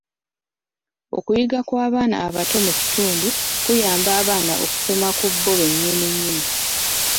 Okuyiga kw'abaana abato mu kitundu kuyamba abaana okusoma ku bo be nnyini nnyini.